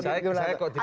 saya kok tidak mau lihat